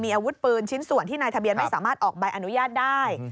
อาวุธปืนชิ้นส่วนที่นายทะเบียนไม่สามารถออกใบอนุญาตได้